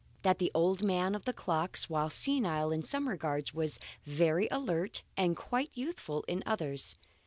That the old man of the clocks, while senile in some regards, was very alert and quite youthful in others.